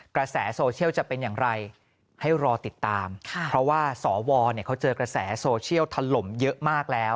กระแสโซเชียลจะเป็นอย่างไรให้รอติดตามเพราะว่าสวเขาเจอกระแสโซเชียลถล่มเยอะมากแล้ว